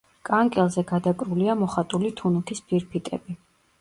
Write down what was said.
კანკელზე გადაკრულია მოხატული თუნუქის ფირფიტები.